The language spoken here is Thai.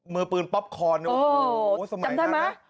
มือปืนป๊อปคอนเนี่ยโอ้โหสมัยนั้นนะ